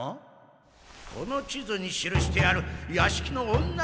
この地図に記してあるやしきの女